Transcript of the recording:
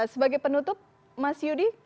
sebagai penutup mas yudi